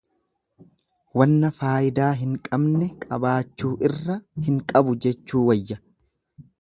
Waanna faayidaa hin qabne qabaachuu irra hin qabu jechuu wayya.